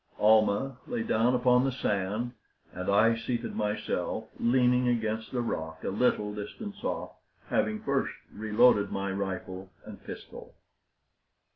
Almah lay down upon the sand, and I seated myself, leaning against a rock, a little distance off, having first reloaded my rifle and pistol.